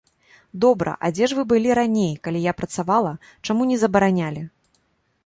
Добра, а дзе ж вы былі раней, калі я працавала, чаму не забаранялі?